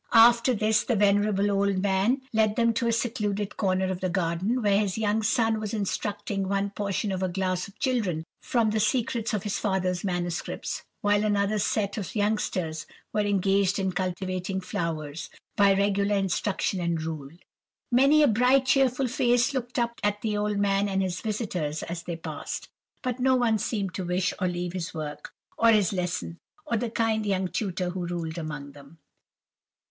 "After this, the venerable old man led them to a secluded corner of the garden, where his young son was instructing one portion of a class of children from the secrets of his father's manuscripts, while another set of youngsters were engaged in cultivating flowers, by regular instruction and rule. Many a bright, cheerful face looked up at the old man and his visitors as they passed, but no one seemed to wish to leave his work, or his lesson, or the kind young tutor who ruled among them.